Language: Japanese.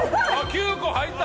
９個入った！